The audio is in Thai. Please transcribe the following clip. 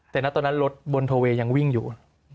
แต่ณตอนนั้นรถบนโทเวย์ยังวิ่งอยู่